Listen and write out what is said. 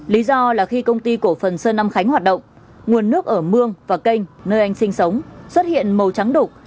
lý do là khi công ty cổ phần sơn năm khánh hoạt động nguồn nước ở mương và kênh nơi anh sinh sống xuất hiện màu trắng đục